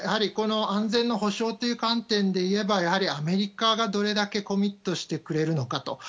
安全の保障という観点で言えばアメリカがどれだけコミットしてくれるのかと。